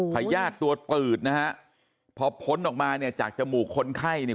พญาติตัวตืดนะฮะพอพ้นออกมาเนี่ยจากจมูกคนไข้เนี่ย